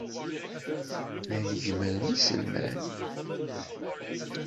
Llan gemmren iselman.